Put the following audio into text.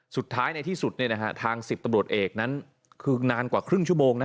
สุดท้ายในที่สุดทาง๑๐ตำรวจเอกนั้นคือนานกว่าครึ่งชั่วโมงนะ